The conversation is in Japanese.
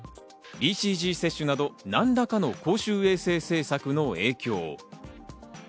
ＢＣＧ接種など何らかの公衆衛生政策の影響。